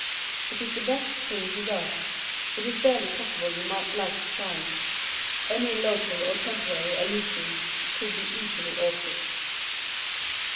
It is the best thing he does. It is barely possible you might like to try it. Any local or temporary allusions could be easily altered.